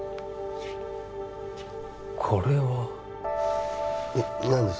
これはな何です？